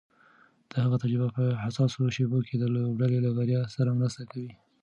د هغه تجربه په حساسو شېبو کې د لوبډلې له بریا سره مرسته کوي.